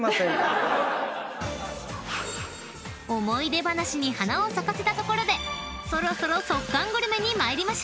［思い出話に花を咲かせたところでそろそろ即完グルメに参りましょう］